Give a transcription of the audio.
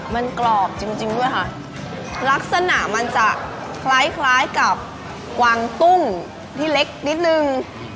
มันกรอบจริงจริงด้วยค่ะลักษณะมันจะคล้ายคล้ายกับกวางตุ้งที่เล็กนิดนึง